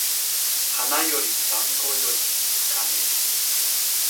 花より団子より金